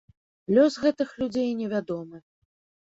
Лёс гэтых людзей невядомы.